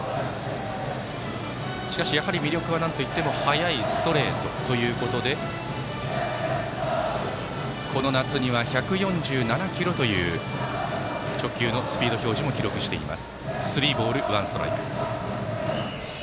しかし魅力はなんといっても速いストレートということでこの夏には１４７キロという直球のスピード表示も記録しています。